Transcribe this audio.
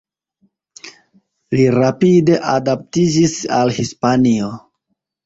Li rapide adaptiĝis al Hispanio.